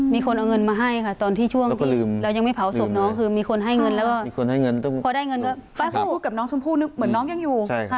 มีคนเอาเงินมาให้ค่ะตอนที่ช่วงที่เรายังไม่เผาศพน้องคือมีคนให้เงินแล้วก็พูดกับน้องชมพู่เหมือนน้องยังอยู่